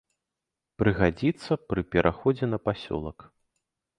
Прыгадзіцца пры пераходзе на пасёлак.